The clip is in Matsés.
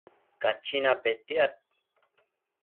Cachina petiad